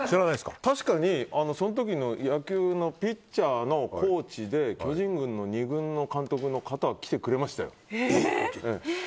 確かにその時の野球のピッチャーのコーチで、巨人軍の２軍の監督の方が来てくれましたよ。